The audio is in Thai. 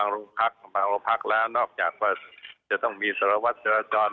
โรงพักบางโรงพักแล้วนอกจากว่าจะต้องมีสารวัตรจราจร